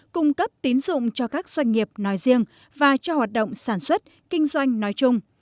cung cấp tín dụng cho các doanh nghiệp nói riêng và cho hoạt động sản xuất kinh doanh nói chung